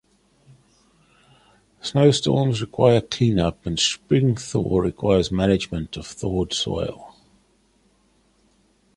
Snowstorms require cleanup and spring thaw requires management of thawed soil.